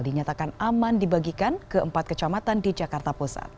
dinyatakan aman dibagikan ke empat kecamatan di jakarta pusat